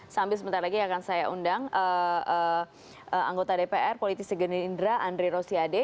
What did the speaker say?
sambil sebentar lagi akan saya undang anggota dpr politisi gerindra andre rosiade